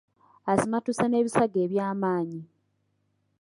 Asimattuse n’ebisago ebyamaanyi.